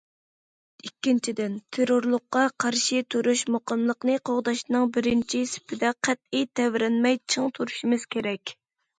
ئىككىنچىدىن، تېررورلۇققا قارشى تۇرۇش، مۇقىملىقنى قوغداشنىڭ بىرىنچى سېپىدە قەتئىي تەۋرەنمەي چىڭ تۇرۇشىمىز كېرەك.